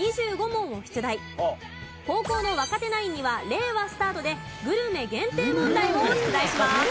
後攻の若手ナインには令和スタートでグルメ限定問題を出題します。